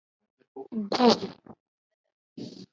Gu.